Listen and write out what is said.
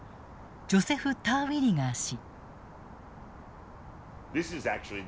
ジョセフ・ターウィリガー氏。